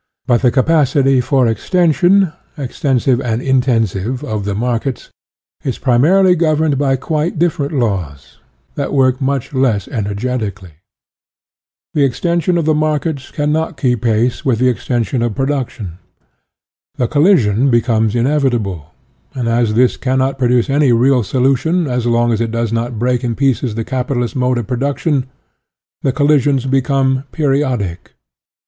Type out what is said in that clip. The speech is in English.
But the capacity for ex tension, extensive and intensive, of the markets is primarily governed by quite dif ferent laws, that work much less energet ically. The extension of the markets can not keep pace with the extension of produc tion. The collision becomes inevitable, and as this cannot produce any real solution so long as it does not break in pieces the capitalist mode of production, the collisions become periodic.